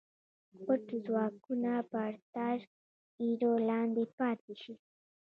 پټ ځواکونه به تر ایرو لاندې پاتې شي.